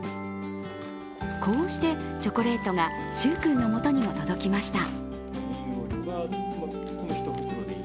こうしてチョコレートが柊君のもとにも届きました。